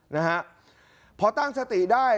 นะฮะพอตั้งสติได้